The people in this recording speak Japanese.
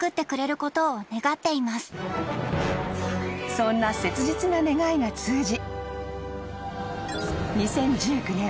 ［そんな切実な願いが通じ］